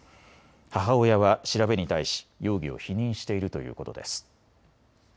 母親は調べに対し容疑を否認しているということです。